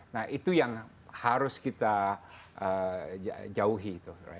nah itu yang harus kita jauhi